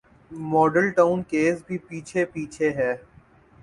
Model town case بھی پیچھے پیچھے ہے۔